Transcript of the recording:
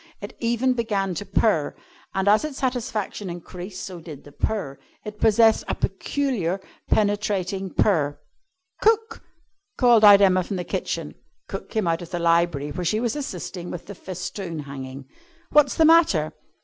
It even began to purr, and as its satisfaction increased so did the purr. It possessed a peculiar penetrating purr. "Cook!" called out Emma from the kitchen. Cook came out of the library where she was assisting with the festoon hanging. "What's the matter?"